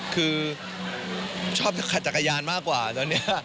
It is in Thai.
คือชอบขัดจักรยานมากกว่าตอนนี้